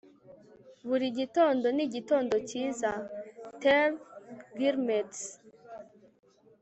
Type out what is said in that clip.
buri gitondo ni igitondo cyiza. - terri guillemets